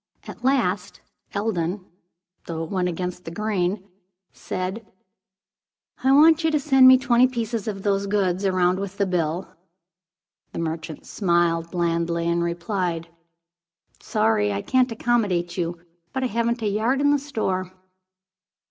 At last Eldon, though it went against the grain, said "I want you to send me twenty pieces of those goods around, with the bill." The merchant smiled blandly and replied "Sorry I can't accommodate you. But I haven't a yard in the store."